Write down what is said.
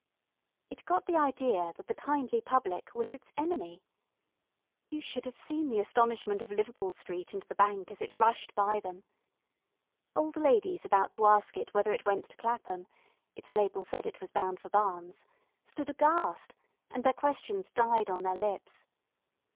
It got the idea that the kindly public was its enemy. You should have seen the astonishment of Liverpool Street and the Bank as it rushed by them. Old ladies about to ask it whether it went to Clapham its label said it was bound for Barnes stood aghast, and their questions died on their lips.